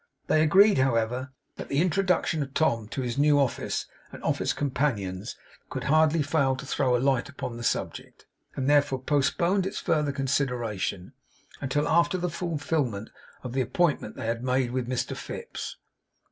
They agreed, however, that the introduction of Tom to his new office and office companions could hardly fail to throw a light upon the subject; and therefore postponed its further consideration until after the fulfillment of the appointment they had made with Mr Fips.